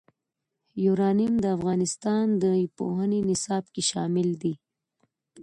یورانیم د افغانستان د پوهنې نصاب کې شامل دي.